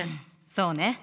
そうね。